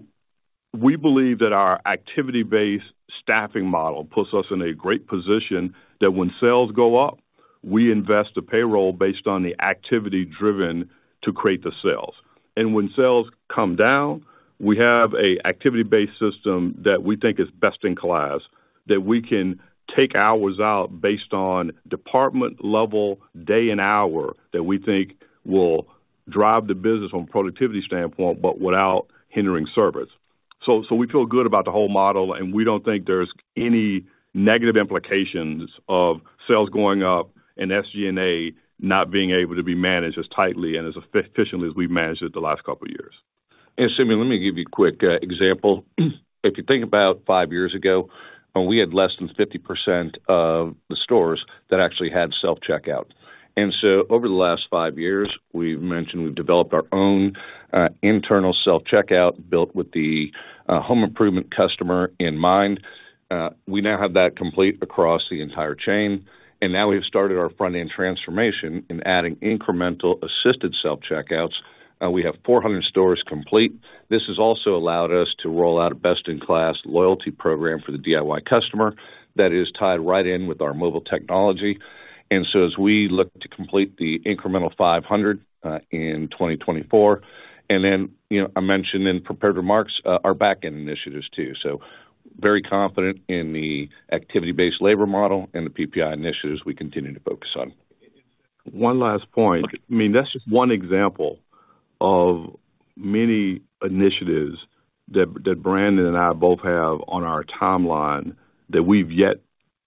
we believe that our activity-based staffing model puts us in a great position that when sales go up, we invest the payroll based on the activity driven to create the sales. And when sales come down, we have an activity-based system that we think is best in class, that we can take hours out based on department level, day and hour that we think will drive the business from a productivity standpoint but without hindering service. So we feel good about the whole model, and we don't think there's any negative implications of sales going up and SG&A not being able to be managed as tightly and as efficiently as we've managed it the last couple of years. Simmy, let me give you a quick example. If you think about 5 years ago, we had less than 50% of the stores that actually had self-checkout. And so over the last 5 years, we've mentioned we've developed our own internal self-checkout built with the home improvement customer in mind. We now have that complete across the entire chain. And now we have started our front-end transformation in adding incremental assisted self-checkouts. We have 400 stores complete. This has also allowed us to roll out a best-in-class loyalty program for the DIY customer that is tied right in with our mobile technology. And so as we look to complete the incremental 500 in 2024 and then I mentioned in prepared remarks our backend initiatives too. So very confident in the activity-based labor model and the PPI initiatives we continue to focus on. One last point. I mean, that's just one example of many initiatives that Brandon and I both have on our timeline that we've yet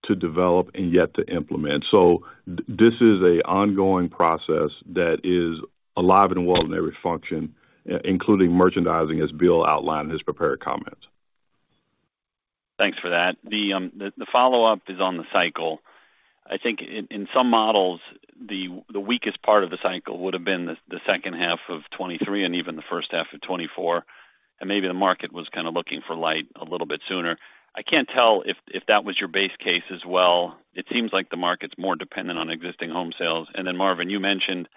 to develop and yet to implement. So this is an ongoing process that is alive and well in every function, including merchandising as Bill outlined in his prepared comments. Thanks for that. The follow-up is on the cycle. I think in some models, the weakest part of the cycle would have been the second half of 2023 and even the first half of 2024, and maybe the market was kind of looking for light a little bit sooner. I can't tell if that was your base case as well. It seems like the market's more dependent on existing home sales. And then Marvin, you mentioned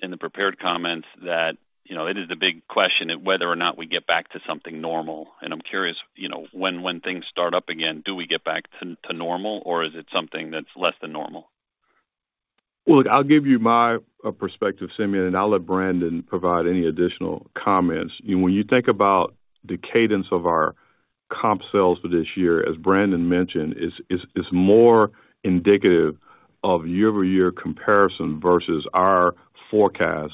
in the prepared comments that it is the big question whether or not we get back to something normal. And I'm curious, when things start up again, do we get back to normal, or is it something that's less than normal? Well, look, I'll give you my perspective, Simmy, and then I'll let Brandon provide any additional comments. When you think about the cadence of our comp sales for this year, as Brandon mentioned, it's more indicative of year-over-year comparison versus our forecast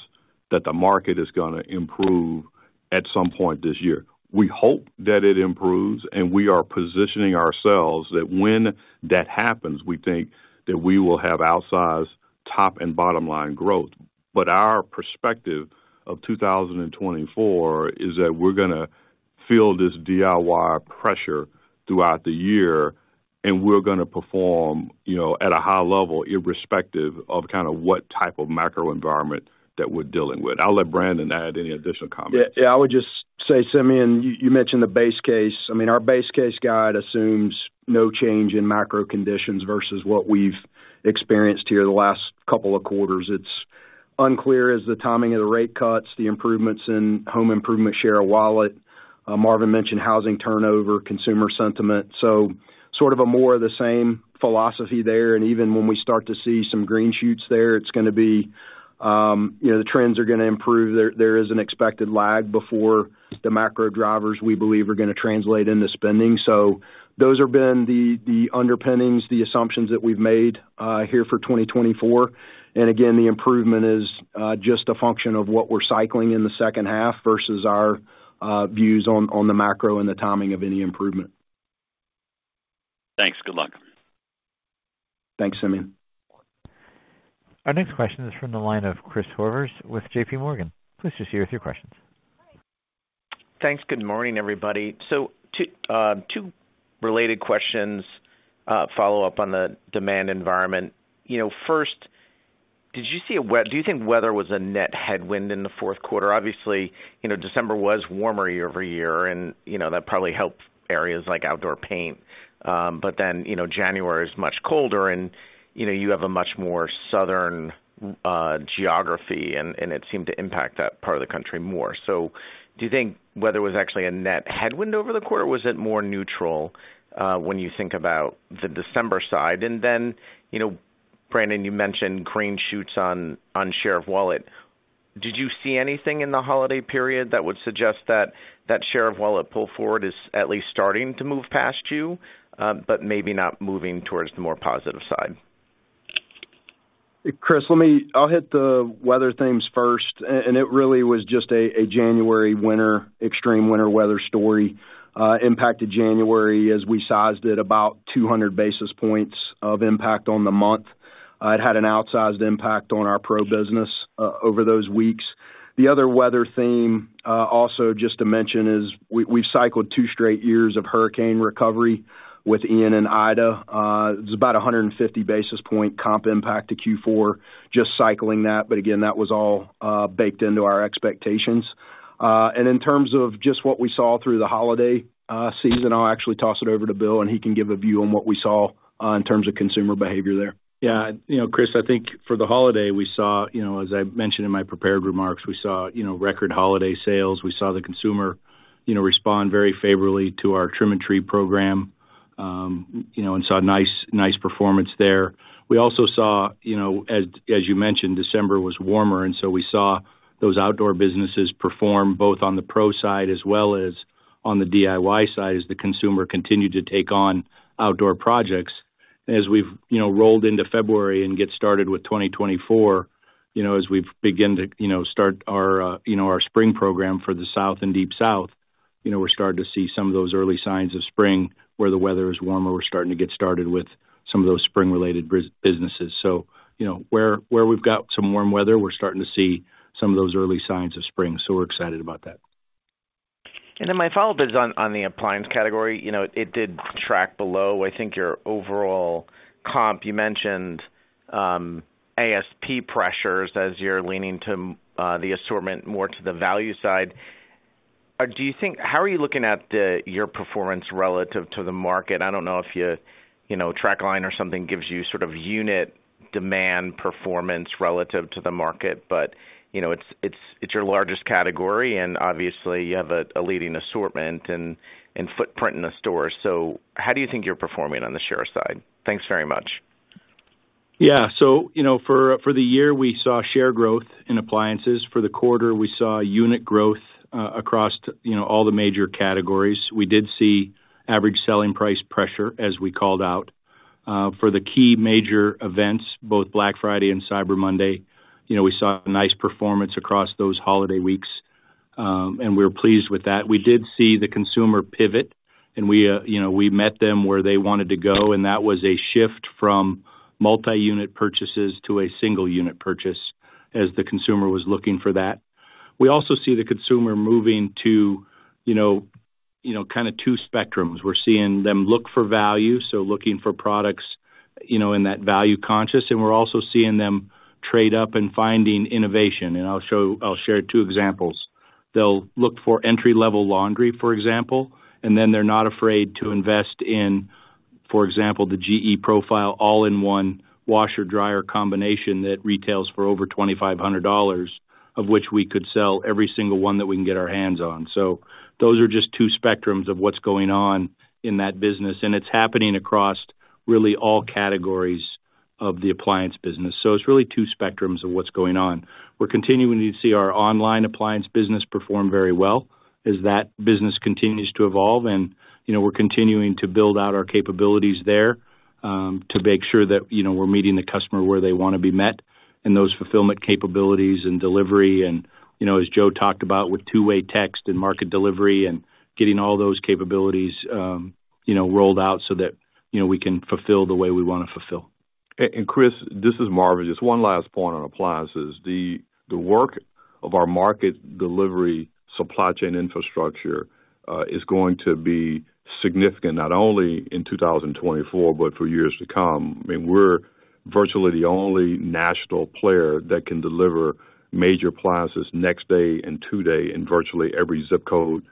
that the market is going to improve at some point this year. We hope that it improves, and we are positioning ourselves that when that happens, we think that we will have outsized top and bottom line growth. But our perspective of 2024 is that we're going to feel this DIY pressure throughout the year, and we're going to perform at a high level irrespective of kind of what type of macro environment that we're dealing with. I'll let Brandon add any additional comments. Yeah, I would just say, Simmy, and you mentioned the base case. I mean, our base case guide assumes no change in macro conditions versus what we've experienced here the last couple of quarters. It's unclear as the timing of the rate cuts, the improvements in home improvement share of wallet. Marvin mentioned housing turnover, consumer sentiment. So sort of more of the same philosophy there. And even when we start to see some green shoots there, it's going to be the trends are going to improve. There is an expected lag before the macro drivers we believe are going to translate into spending. So those have been the underpinnings, the assumptions that we've made here for 2024. And again, the improvement is just a function of what we're cycling in the second half versus our views on the macro and the timing of any improvement. Thanks. Good luck. Thanks, Simmy. Our next question is from the line of Chris Horvers with JP Morgan. Please just use your questions. Thanks. Good morning, everybody. So two related questions follow up on the demand environment. First, did you see or do you think weather was a net headwind in the fourth quarter? Obviously, December was warmer year-over-year, and that probably helped areas like outdoor paint. But then January is much colder, and you have a much more southern geography, and it seemed to impact that part of the country more. So do you think weather was actually a net headwind over the quarter, or was it more neutral when you think about the December side? And then, Brandon, you mentioned green shoots on share of wallet. Did you see anything in the holiday period that would suggest that share of wallet pull forward is at least starting to move past you but maybe not moving towards the more positive side? Chris, I'll hit the weather themes first. It really was just a January winter, extreme winter weather story impacted January as we sized it about 200 basis points of impact on the month. It had an outsized impact on our pro business over those weeks. The other weather theme, also just to mention, is we've cycled two straight years of hurricane recovery with Ian and Ida. It's about 150 basis point comp impact to Q4, just cycling that. But again, that was all baked into our expectations. In terms of just what we saw through the holiday season, I'll actually toss it over to Bill, and he can give a view on what we saw in terms of consumer behavior there. Yeah. Chris, I think for the holiday, we saw, as I mentioned in my prepared remarks, we saw record holiday sales. We saw the consumer respond very favorably to our Trim-a-Tree program and saw nice performance there. We also saw, as you mentioned, December was warmer, and so we saw those outdoor businesses perform both on the pro side as well as on the DIY side as the consumer continued to take on outdoor projects. And as we've rolled into February and get started with 2024, as we've begun to start our spring program for the South and Deep South, we're starting to see some of those early signs of spring where the weather is warmer. We're starting to get started with some of those spring-related businesses. So where we've got some warm weather, we're starting to see some of those early signs of spring. We're excited about that. My follow-up is on the appliance category. It did track below. I think your overall comp, you mentioned ASP pressures as you're leaning to the assortment more to the value side. How are you looking at your performance relative to the market? I don't know if your TraQline or something gives you sort of unit demand performance relative to the market, but it's your largest category, and obviously, you have a leading assortment and footprint in the stores. So how do you think you're performing on the share side? Thanks very much. Yeah. So for the year, we saw share growth in appliances. For the quarter, we saw unit growth across all the major categories. We did see average selling price pressure as we called out. For the key major events, both Black Friday and Cyber Monday, we saw a nice performance across those holiday weeks, and we're pleased with that. We did see the consumer pivot, and we met them where they wanted to go, and that was a shift from multi-unit purchases to a single-unit purchase as the consumer was looking for that. We also see the consumer moving to kind of two spectrums. We're seeing them look for value, so looking for products in that value conscious, and we're also seeing them trade up and finding innovation. And I'll share two examples. They'll look for entry-level laundry, for example, and then they're not afraid to invest in, for example, the GE Profile all-in-one washer-dryer combination that retails for over $2,500, of which we could sell every single one that we can get our hands on. So those are just two spectrums of what's going on in that business, and it's happening across really all categories of the appliance business. So it's really two spectrums of what's going on. We're continuing to see our online appliance business perform very well as that business continues to evolve, and we're continuing to build out our capabilities there to make sure that we're meeting the customer where they want to be met and those fulfillment capabilities and delivery. As Joe talked about with two-way text and market delivery and getting all those capabilities rolled out so that we can fulfill the way we want to fulfill. And Chris, this is Marvin. Just one last point on appliances. The work of our market delivery supply chain infrastructure is going to be significant not only in 2024 but for years to come. I mean, we're virtually the only national player that can deliver major appliances next day and today in virtually every zip code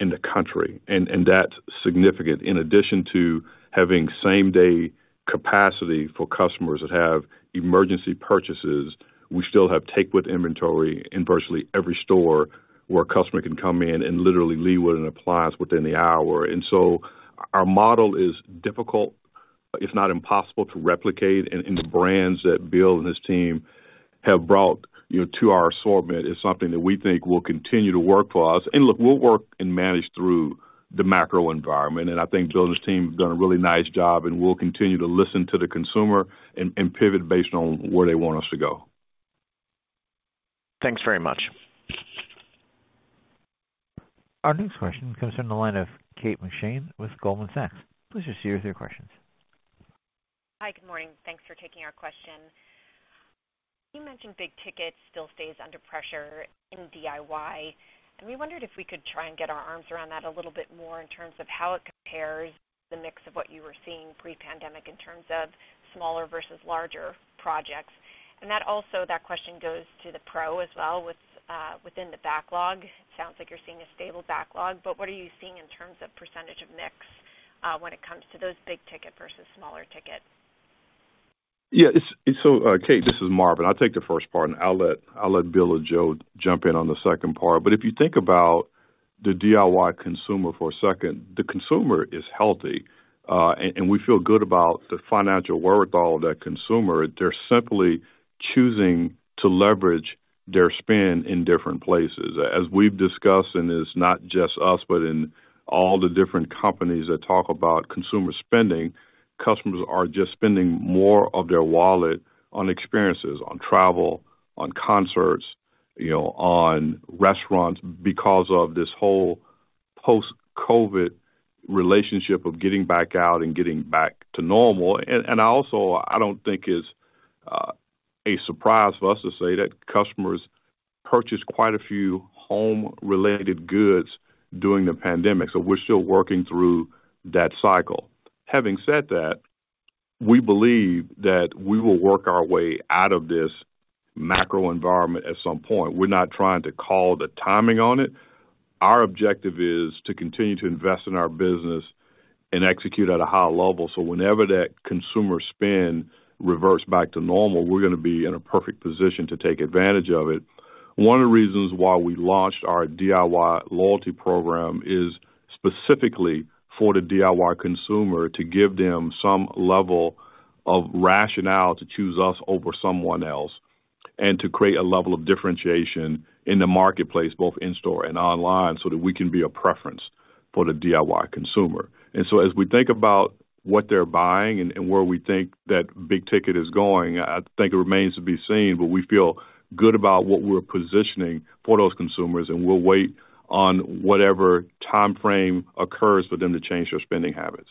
in the country. And that's significant. In addition to having same-day capacity for customers that have emergency purchases, we still have take-with inventory in virtually every store where a customer can come in and literally leave with an appliance within the hour. And so our model is difficult, if not impossible, to replicate. And the brands that Bill and his team have brought to our assortment is something that we think will continue to work for us. Look, we'll work and manage through the macro environment, and I think Bill and his team have done a really nice job, and we'll continue to listen to the consumer and pivot based on where they want us to go. Thanks very much. Our next question comes from the line of Kate McShane with Goldman Sachs. Please just use your questions. Hi. Good morning. Thanks for taking our question. You mentioned big tickets still stays under pressure in DIY, and we wondered if we could try and get our arms around that a little bit more in terms of how it compares to the mix of what you were seeing pre-pandemic in terms of smaller versus larger projects. And that question goes to the Pro as well. Within the backlog, it sounds like you're seeing a stable backlog, but what are you seeing in terms of percentage of mix when it comes to those big ticket versus smaller ticket? Yeah. So, Kate, this is Marvin. I'll take the first part, and I'll let Bill and Joe jump in on the second part. But if you think about the DIY consumer for a second, the consumer is healthy, and we feel good about the financial wherewithal of that consumer. They're simply choosing to leverage their spend in different places. As we've discussed, and it's not just us but in all the different companies that talk about consumer spending, customers are just spending more of their wallet on experiences, on travel, on concerts, on restaurants because of this whole post-COVID relationship of getting back out and getting back to normal. And also, I don't think it's a surprise for us to say that customers purchased quite a few home-related goods during the pandemic, so we're still working through that cycle. Having said that, we believe that we will work our way out of this macro environment at some point. We're not trying to call the timing on it. Our objective is to continue to invest in our business and execute at a high level. So whenever that consumer spend reverts back to normal, we're going to be in a perfect position to take advantage of it. One of the reasons why we launched our DIY loyalty program is specifically for the DIY consumer to give them some level of rationale to choose us over someone else and to create a level of differentiation in the marketplace, both in-store and online, so that we can be a preference for the DIY consumer. And so as we think about what they're buying and where we think that big ticket is going, I think it remains to be seen, but we feel good about what we're positioning for those consumers, and we'll wait on whatever time frame occurs for them to change their spending habits.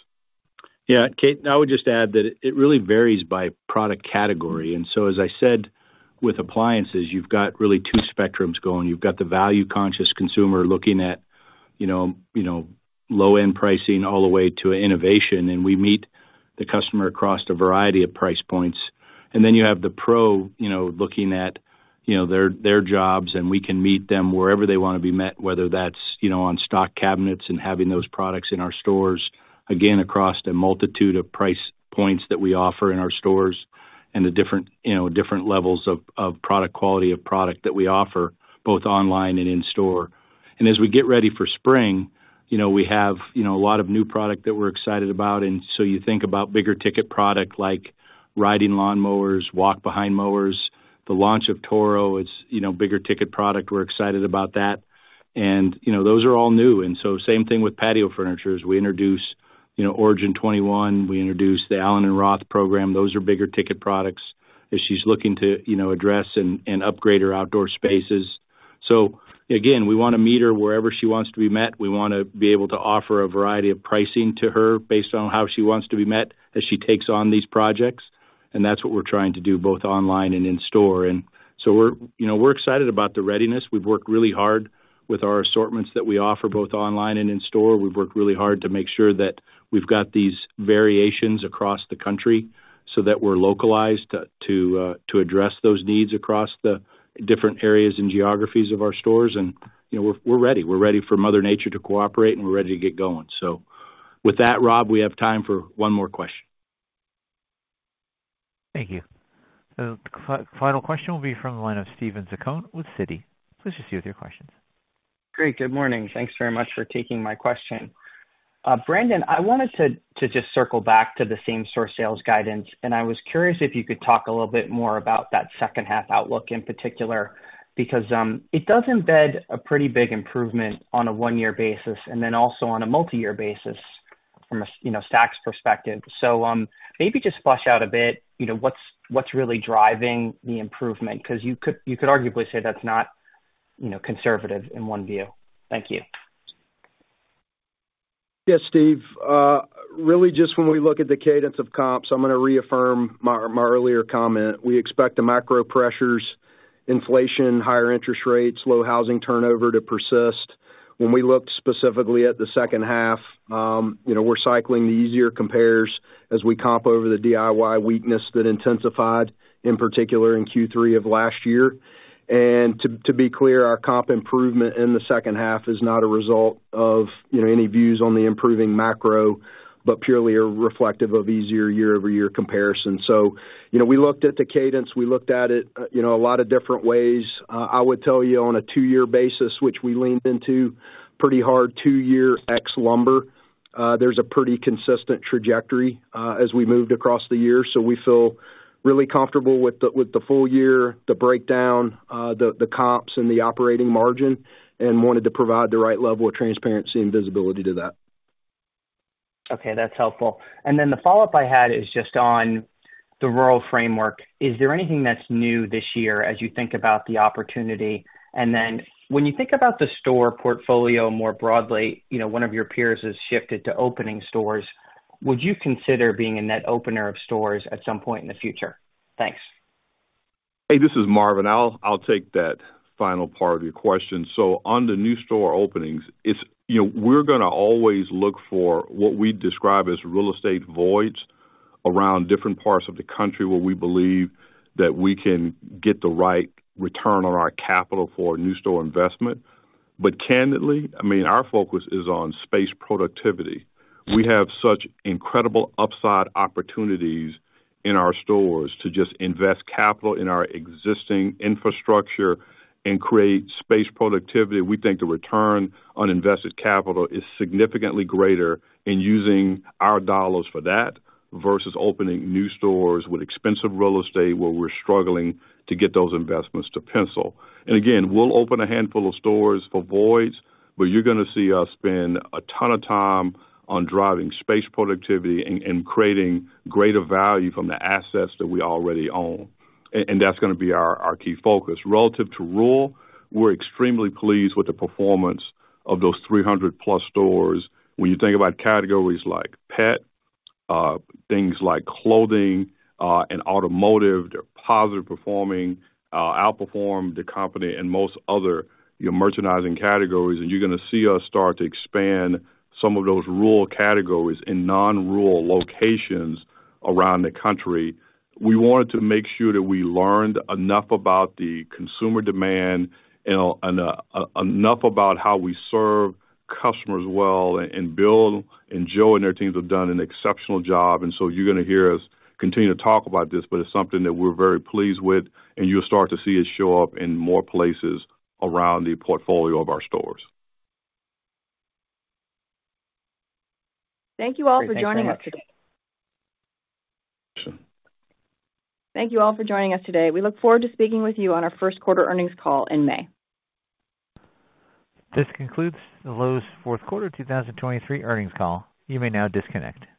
Yeah. Kate, I would just add that it really varies by product category. And so as I said, with appliances, you've got really two spectrums going. You've got the value-conscious consumer looking at low-end pricing all the way to innovation, and we meet the customer across a variety of price points. And then you have the Pro looking at their jobs, and we can meet them wherever they want to be met, whether that's on stock cabinets and having those products in our stores. Again, across the multitude of price points that we offer in our stores and the different levels of product quality of product that we offer, both online and in-store. And as we get ready for spring, we have a lot of new product that we're excited about. And so you think about bigger ticket product like riding lawnmowers, walk-behind mowers, the launch of Toro. It's bigger ticket product. We're excited about that. And those are all new. And so same thing with patio furniture. We introduce Origin 21. We introduce the Allen + Roth program. Those are bigger ticket products as she's looking to address and upgrade her outdoor spaces. So again, we want to meet her wherever she wants to be met. We want to be able to offer a variety of pricing to her based on how she wants to be met as she takes on these projects. And that's what we're trying to do both online and in-store. And so we're excited about the readiness. We've worked really hard with our assortments that we offer both online and in-store. We've worked really hard to make sure that we've got these variations across the country so that we're localized to address those needs across the different areas and geographies of our stores. We're ready. We're ready for Mother Nature to cooperate, and we're ready to get going. With that, Rob, we have time for one more question. Thank you. The final question will be from the line of Steven Zaccone with Citi. Please just use your questions. Great. Good morning. Thanks very much for taking my question. Brandon, I wanted to just circle back to the same-store sales guidance, and I was curious if you could talk a little bit more about that second-half outlook in particular because it does embed a pretty big improvement on a one-year basis and then also on a multi-year basis from a comps perspective. So maybe just flesh out a bit what's really driving the improvement because you could arguably say that's not conservative in one view. Thank you. Yes, Steve. Really, just when we look at the cadence of comps, I'm going to reaffirm my earlier comment. We expect the macro pressures: inflation, higher interest rates, low housing turnover to persist. When we looked specifically at the second half, we're cycling the easier compares as we comp over the DIY weakness that intensified in particular in Q3 of last year. To be clear, our comp improvement in the second half is not a result of any views on the improving macro but purely reflective of easier year-over-year comparison. We looked at the cadence. We looked at it a lot of different ways. I would tell you, on a two-year basis, which we leaned into pretty hard, two-year ex-lumber, there's a pretty consistent trajectory as we moved across the year. We feel really comfortable with the full year, the breakdown, the comps, and the operating margin and wanted to provide the right level of transparency and visibility to that. Okay. That's helpful. And then the follow-up I had is just on the rural framework. Is there anything that's new this year as you think about the opportunity? And then when you think about the store portfolio more broadly, one of your peers has shifted to opening stores. Would you consider being a net opener of stores at some point in the future? Thanks. Hey, this is Marvin. I'll take that final part of your question. So on the new store openings, we're going to always look for what we describe as real estate voids around different parts of the country where we believe that we can get the right return on our capital for new store investment. But candidly, I mean, our focus is on space productivity. We have such incredible upside opportunities in our stores to just invest capital in our existing infrastructure and create space productivity. We think the return on invested capital is significantly greater in using our dollars for that versus opening new stores with expensive real estate where we're struggling to get those investments to pencil. Again, we'll open a handful of stores for voids, but you're going to see us spend a ton of time on driving space productivity and creating greater value from the assets that we already own. That's going to be our key focus. Relative to rural, we're extremely pleased with the performance of those 300+ stores. When you think about categories like pet, things like clothing and automotive, they're positive performing, outperform the company, and most other merchandising categories. You're going to see us start to expand some of those rural categories in non-rural locations around the country. We wanted to make sure that we learned enough about the consumer demand and enough about how we serve customers well. Bill and Joe and their teams have done an exceptional job. And so you're going to hear us continue to talk about this, but it's something that we're very pleased with, and you'll start to see it show up in more places around the portfolio of our stores. Thank you all for joining us today. Thank you all for joining us today. We look forward to speaking with you on our first quarter earnings call in May. This concludes the Lowe's fourth quarter 2023 earnings call. You may now disconnect.